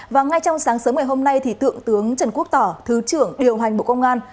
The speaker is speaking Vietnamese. và ngay trong sáng sớm ngày hôm nay thượng tướng trần quốc tỏ thứ trưởng điều hành bộ công an